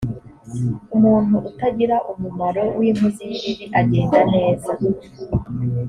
umuntu utagira umumaro w inkozi y ibibi agenda neza